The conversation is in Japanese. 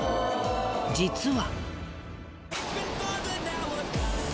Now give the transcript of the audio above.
実は。